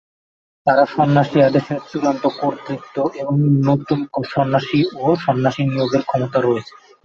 তারা সন্ন্যাসী আদেশের চূড়ান্ত কর্তৃত্ব এবং নতুন সন্ন্যাসী ও সন্ন্যাসী নিয়োগের ক্ষমতা রয়েছে।